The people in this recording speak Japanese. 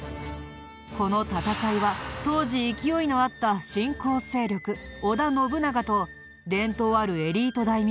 この戦いは当時勢いのあった新興勢力織田信長と伝統あるエリート大名